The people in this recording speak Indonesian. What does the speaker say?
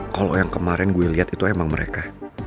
kalo yang kemarin gue liat itu emang mereka